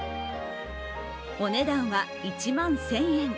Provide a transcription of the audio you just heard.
お値段は１万１０００円。